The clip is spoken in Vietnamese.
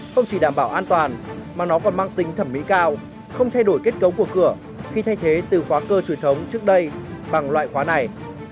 không chỉ đảm bảo an toàn mà nó còn mang tính thẩm mỹ cao không thay đổi kết cấu của cửa khi thay thế từ khóa cơ truyền thống trước đây bằng loại khóa này